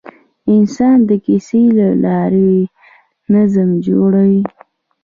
انسان د کیسې له لارې نظم جوړوي.